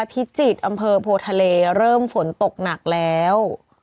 พิจิตรอำเภอโพทะเลเริ่มฝนตกหนักแล้ว